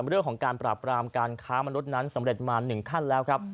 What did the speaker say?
เรื่องของการปราบรามการค้ามนุษย์นั้นสำเร็จมา๑ขั้นแล้วครับ